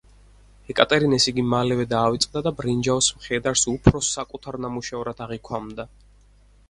ეკატერინეს იგი მალევე დაავიწყდა და ბრინჯაოს მხედარს უფრო საკუთარ ნამუშევრად აღიქვამდა.